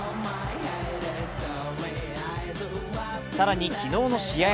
更に昨日の試合